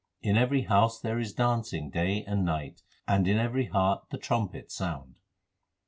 In every house there is dancing day and night, and in every heart the trumpets l sound.